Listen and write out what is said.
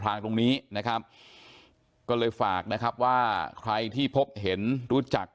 ทางตรงนี้นะครับก็เลยฝากนะครับว่าใครที่พบเห็นรู้จัก